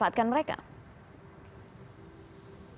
dan bagaimana melakukan penyelidikan mereka